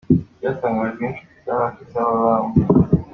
byatangajwe ninshuti za hafi zaba bombi.